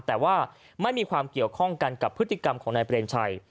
แต่ว่าไม่มีความเกี่ยวข้องกันกับพฤติกรรมของนายเปรมชัย